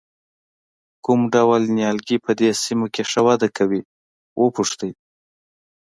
کوم ډول نیالګي په دې سیمه کې ښه وده کوي وپوښتئ.